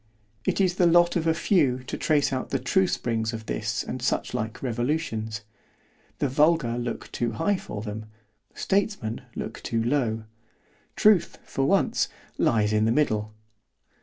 It is the lot of a few to trace out the true springs of this and such like revolutions—The vulgar look too high for them—Statesmen look too low——Truth (for once) lies in the middle.